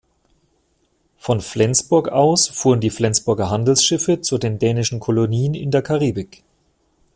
Von Flensburg aus fuhren die Flensburger Handelsschiffe zu den Dänischen Kolonien in der Karibik.